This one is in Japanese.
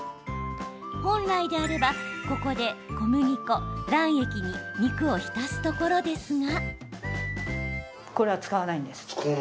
本来であれば、ここで小麦粉、卵液に肉を浸すところですが。